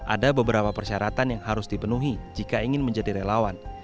ada beberapa persyaratan yang harus dipenuhi jika ingin menjadi relawan